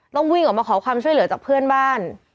ต้องวิ่งออกมาขอความช่วยเหลือจากเพื่อนบ้าน